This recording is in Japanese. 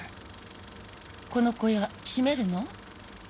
この小屋閉めるの？